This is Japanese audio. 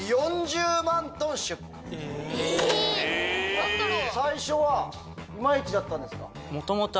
何だろう？